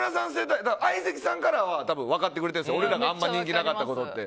相席さんからは分かってくれてるんですあんまり人気なかったころって。